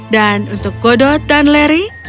dan untuk godot dan larry